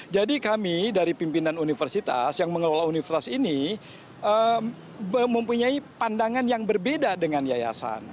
jadi kami dari pimpinan universitas yang mengelola universitas ini mempunyai pandangan yang berbeda dengan yayasan